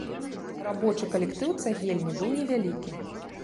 Рабочы калектыў цагельні быў невялікі.